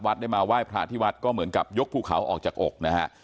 ได้มาไหว้พระที่วัดก็เหมือนกับยกภูเขาออกจากอกนะฮะ